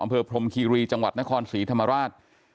พรมคีรีจังหวัดนครศรีธรรมราช